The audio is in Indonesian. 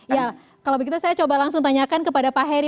ya kalau begitu saya coba langsung tanyakan kepada pak heri